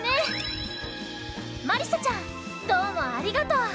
まりさちゃんどうもありがとう！